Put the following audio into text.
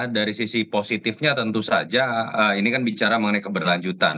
dari sisi positifnya tentu saja ini kan bicara mengenai keberlanjutan